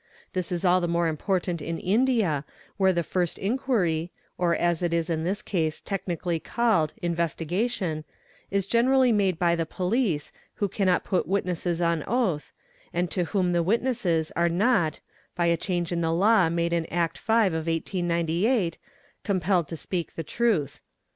'This is all the more important in India where the rst inquiry, or as it is in this case technically called " investigation, " Becencrally made by the police, who cannot put the witnesses on oath, and to whom the witnesses dre not (by a change in the law made in Act ro 1898) compelled to speak the truth.